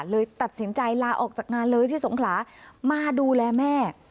เลยตัดสินใจลาออกจากงานเลยที่สงขลามาดูแลแม่